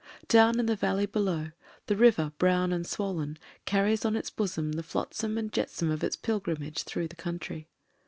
Down in the valley below, the river, brown and swollen, carries on its bosom the flotsam and jetsam of its pilgrimage through the country.